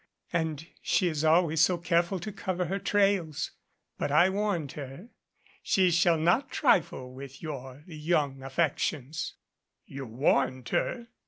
And she is always so careful to cover her trails ! But I warned her. She shall not trifle with your young affec tions " "You warned her?"